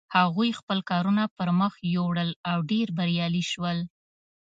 هغوی خپل کارونه پر مخ یوړل او ډېر بریالي شول.